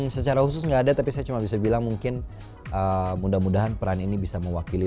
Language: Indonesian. secara khusus nggak ada tapi saya cuma bisa bilang mungkin mudah mudahan peran ini bisa mewakili